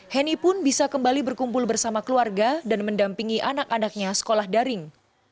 heni pun bisa kembali berkumpul bersama keluarga dan mendampingi anak anaknya sekolah daring